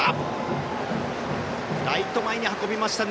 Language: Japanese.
ライト前に運びました。